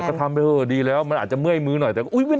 แล้วก็ทำดีแล้วอาจจะเหมือนมื๋อหน่อยแต่บ้าง